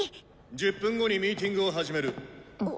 １０分後にミーティングを始める！